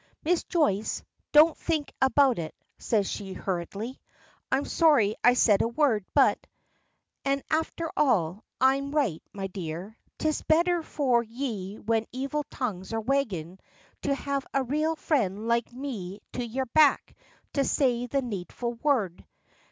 "Miss Joyce, don't think about it," says she, hurriedly. "I'm sorry I said a word, but An', afther all, I am right, me dear. 'Tis betther for ye when evil tongues are waggin' to have a raal friend like me to yer back to say the needful word.